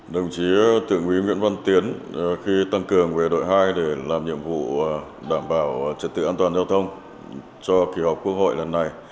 đồng chí thượng úy nguyễn văn tiến khi tăng cường về đội hai để làm nhiệm vụ đảm bảo trật tự an toàn giao thông cho kỳ họp quốc hội lần này